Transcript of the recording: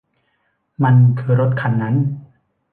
มันคือรถคันนั้น